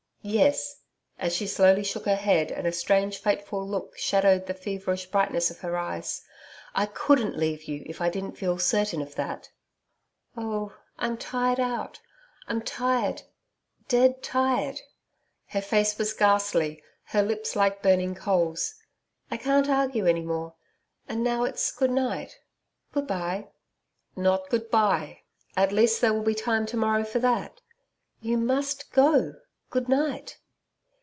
Yes....' as she slowly shook her head and a strange fateful look shadowed the feverish brightness of her eyes. 'I COULDN'T leave you if I didn't feel certain of that.' 'Oh, I'm tired out. I'm tired dead tired ' Her face was ghastly, her lips like burning coals. 'I can't argue any more. And now it's good night good bye.' 'Not good bye. At least there will be time to morrow for that.' 'You MUST go Good night.'